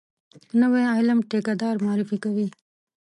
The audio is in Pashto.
نوی علم ټیکه دار معرفي کوي.